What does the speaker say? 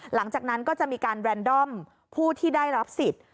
หลังจากนั้นก็จะมีการแบรนดอมผู้ที่ได้รับสิทธิ์